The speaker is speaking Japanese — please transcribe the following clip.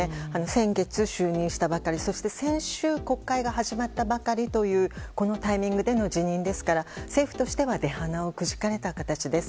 先月、就任したばかり先週、国会が始まったばかりというタイミングでの辞任ですから政府としては出ばなをくじかれた形です。